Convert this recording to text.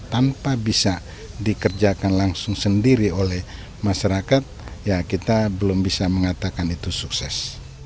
tanpa bisa dikerjakan langsung sendiri oleh masyarakat ya kita belum bisa mengatakan itu sukses